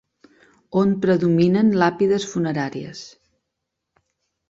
On predominen làpides funeràries.